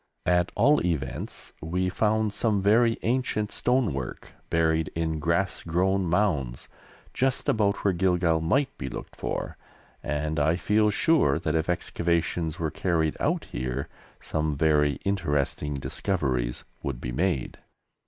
At all events we found some very ancient stonework buried in grass grown mounds just about where Gilgal might be looked for, and I feel sure that if excavations were carried out here some very interesting discoveries would be made.